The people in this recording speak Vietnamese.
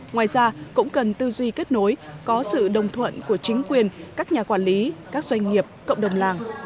ngoài ra cũng cần tư duy kết nối có sự đồng thuận của chính quyền các nhà quản lý các doanh nghiệp cộng đồng làng